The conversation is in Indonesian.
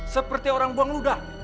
seperti orang buang ludah